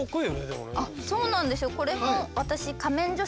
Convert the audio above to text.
そうなんですよ。